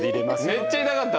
めっちゃ痛かったろ？